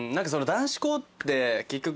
男子校って結局。